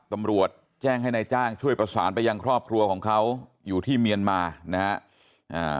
ตำรวจแจ้งให้นายจ้างช่วยประสานไปยังครอบครัวของเขาอยู่ที่เมียนมานะฮะอ่า